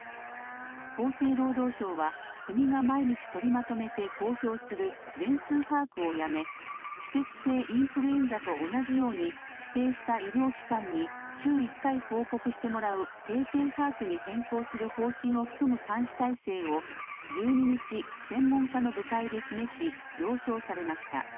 厚生労働省は、国が毎日取りまとめて公表する全数把握をやめ、季節性インフルエンザと同じように、指定した医療機関に週１回報告してもらう定点把握に変更する方針を含む監視体制を１２日、専門家の部会で示し、了承されました。